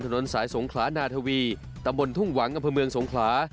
ถนนสายสงขลานาทวีตำบลทุ่งหวังอำเภอเมืองสงขลา